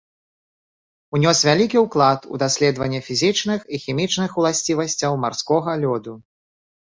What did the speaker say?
Унёс вялікі ўклад у даследаванне фізічных і хімічных уласцівасцяў марскога лёду.